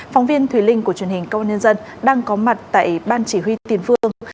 phóng viên thùy linh của truyền hình công an nhân dân đang có mặt tại ban chỉ huy tiền phương